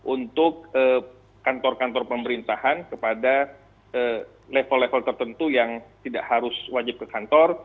untuk kantor kantor pemerintahan kepada level level tertentu yang tidak harus wajib ke kantor